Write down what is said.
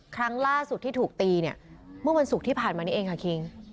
ครั้งล่าสุดที่ถูกตีเนี่ยเมื่อวันศุกร์ที่ผ่านมานี้เองค่ะคิง